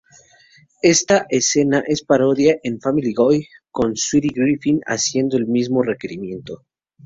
Esta escena es parodiada en "Family Guy" con Stewie Griffin haciendo el mismo requerimiento.